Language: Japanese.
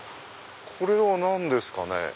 これは何ですかね？